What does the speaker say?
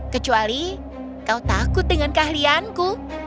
kecuali kau takut dengan keahlianku